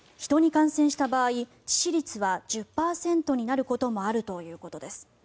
人に感染した場合致死率は１０％になることもあるということです。